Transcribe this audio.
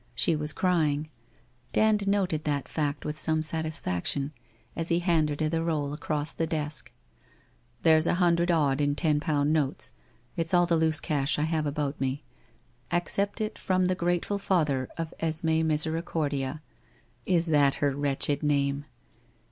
She was crying. Dand noted that fact with some satisfaction, as he handed her the roll across the desk. ' There's a hundred odd in ten pound notes. It's all the loose cash I have about me. Accept it from the grate ful father of Esme Misericordia — is that her wretched name